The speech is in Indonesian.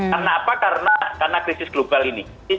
karena apa karena krisis global ini